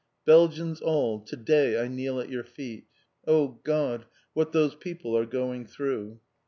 Belgians all, to day I kneel at your feet. Oh God, what those people are going through!